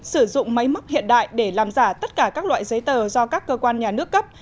sử dụng máy móc hiện đại để làm giả tất cả các loại giấy tờ do các cơ quan nhà nước cấp